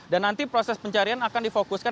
dan nanti proses pencarian akan difokuskan